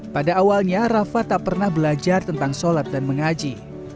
pada awalnya rafa tak pernah belajar tentang sholat dan mengaji